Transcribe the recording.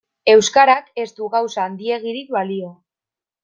Euskarak ez du gauza handiegirik balio.